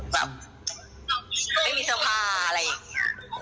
แบบไม่มีเสื้อผ้าอะไรอีก